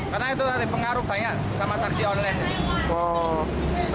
karena itu ada pengaruh banyak sama taksi online